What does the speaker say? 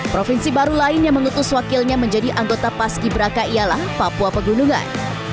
provinsi baru lain yang mengutus wakilnya menjadi anggota paski braka ialah papua pegunungan